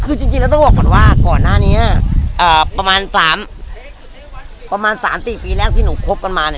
คือจริงจริงแล้วต้องบอกก่อนว่าก่อนหน้านี้อ่าประมาณสามประมาณสามสี่ปีแรกที่หนูคบกันมาเนี่ย